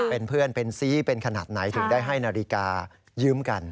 เป็นเพื่อนเป็นซีเป็นขนาดไหนถึงได้ให้นาฬิกายืมกัน